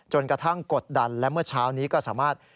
กระทั่งกดดันและเมื่อเช้านี้ก็สามารถ